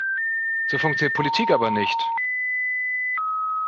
So funktioniert Politik aber nicht!